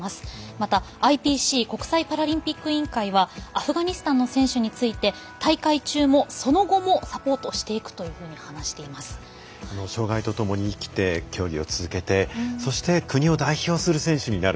またＩＰＣ＝国際パラリンピック委員会はアフガニスタンの選手について大会中も、その後もサポートしていく障がいとともに生きて競技を続けて、そして国を代表する選手になる。